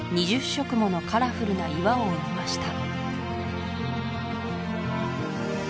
２０色ものカラフルな岩を生みました